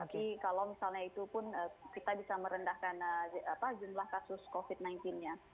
tapi kalau misalnya itu pun kita bisa merendahkan jumlah kasus covid sembilan belas nya